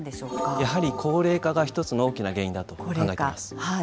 やはり高齢化が１つの大きな原因だと考えています。